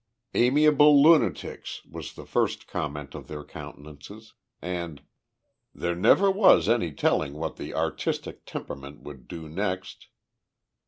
"Amiable lunatics" was the first comment of their countenances, and "There never was any telling what the artistic temperament would do next!"